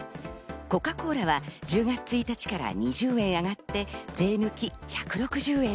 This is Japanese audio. コカ・コーラは１０月１日から２０円上がって税抜１６０円に。